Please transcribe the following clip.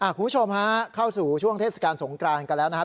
คุณผู้ชมฮะเข้าสู่ช่วงเทศกาลสงกรานกันแล้วนะครับ